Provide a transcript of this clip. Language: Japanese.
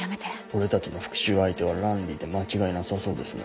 俺たちの復讐相手はランリーで間違いなさそうですね。